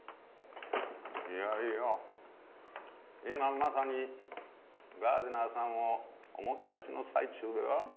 今まさに「ガーデナー」さんをおもてなしの最中では？